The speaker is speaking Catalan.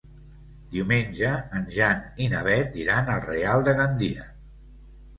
Diumenge en Jan i na Beth iran al Real de Gandia.